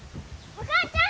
・お母ちゃん！